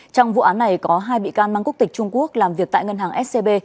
trong vụ án này có hai bị can mang quốc tịch trung quốc làm việc tại ngân hàng scb